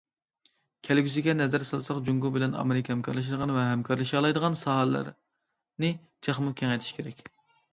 كەلگۈسىگە نەزەر سالساق، جۇڭگو بىلەن ئامېرىكا ھەمكارلىشىدىغان ۋە ھەمكارلىشالايدىغان ساھەلەرنى تېخىمۇ كېڭەيتىشى كېرەك.